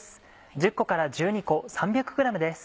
１０個から１２個３００ｇです。